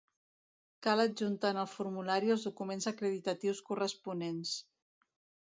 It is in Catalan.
Cal adjuntar en el formulari els documents acreditatius corresponents.